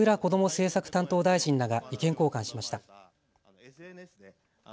政策担当大臣らが意見交換しました。